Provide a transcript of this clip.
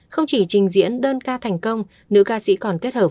không chỉ trình diễn đơn ca thành công nữ ca sĩ còn kết hợp